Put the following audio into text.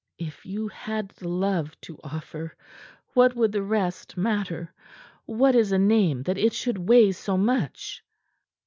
"If you had the love to offer, what would the rest matter? What is a name that it should weigh so much?"